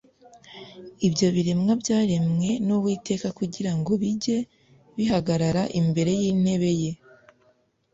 Ibyo biremwa byaremwe n'Uwiteka kugira ngo bijye bihagarara imbere y'intebe ye,